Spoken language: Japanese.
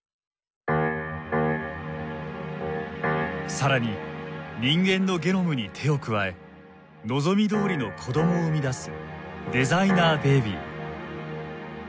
更に人間のゲノムに手を加え望みどおりの子供を生み出すデザイナーベビー。